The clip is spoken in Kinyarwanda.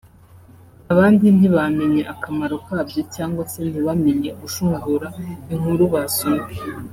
abandi ntibamenya akamaro kabyo cyangwa se ntibamenye gushungura inkuru basomye